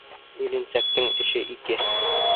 Иренсәктең эше ике.